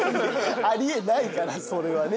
あり得ないからそれはね。